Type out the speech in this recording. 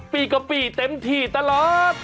ปีกะปี้เต็มที่ตลอด